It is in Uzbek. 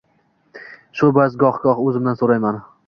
Shu bois goh-goh o‘zimdan so‘rayman: